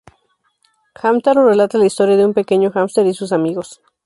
Hamtaro relata la historia de un pequeño hámster y sus amigos.